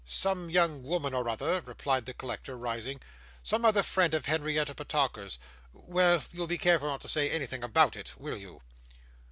'Some young woman or other,' replied the collector, rising; 'some other friend of Henrietta Petowker's. Well, you'll be careful not to say anything about it, will you?